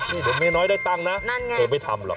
เดี๋ยวเมียน้อยได้ตังค์นะเธอไม่ทำหรอก